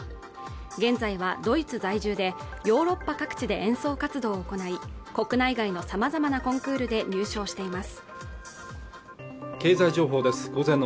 現在はドイツ在住でヨーロッパ各地で演奏活動を行い国内外の様々なコンクールで入賞しています